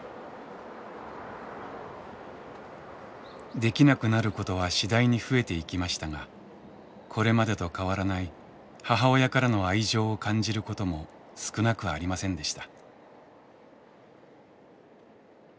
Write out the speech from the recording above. できなくなることは次第に増えていきましたがこれまでと変わらない母親からの愛情を感じることも少なくありませんでした。